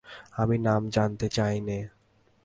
আমি নাম জানতে চাই নে।